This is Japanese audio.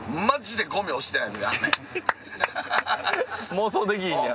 妄想できへんねや。